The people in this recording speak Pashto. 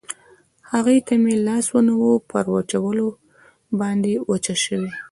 هغوی ته مې لاس ونیو، پر وچولې باندې وچه شوې.